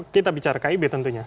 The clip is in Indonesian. kita bicara kib tentunya